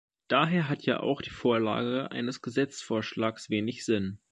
Daher hat ja auch die Vorlage eines Gesetzesvorschlages wenig Sinn.